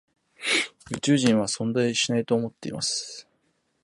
宇宙人は存在しないと思っている。